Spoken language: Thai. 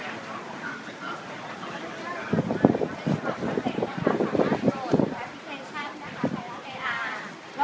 ขอโทษนะครับ